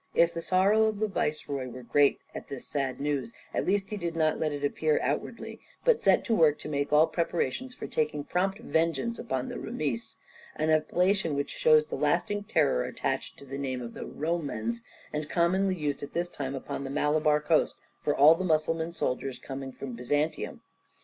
If the sorrow of the viceroy were great at this sad news, at least he did not let it appear outwardly, but set to work to make all preparations for taking prompt vengeance upon the Roumis, an appellation which shows the lasting terror attaching to the name of the Romans, and commonly used at this time upon the Malabar coast, for all Mussulman soldiers coming from Byzantium.